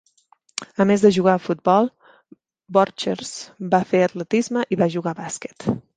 A més de jugar a futbol, Borchers va fer atletisme i va jugar a bàsquet.